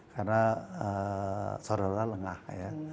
karena seolah olah lengah ya